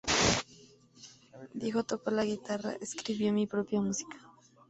Dijo: "Toco la guitarra, escribo mi propia música.